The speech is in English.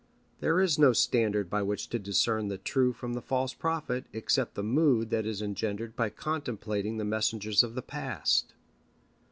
There is no standard by which to discern the true from the false prophet, except the mood that is engendered by contemplating the messengers of the past.